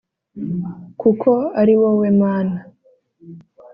Kuko ari wowe Mana